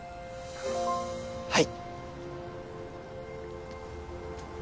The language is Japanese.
はい！